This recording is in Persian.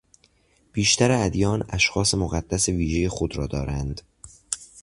بیشتر ادیان اشخاص مقدس ویژهی خود را دارند.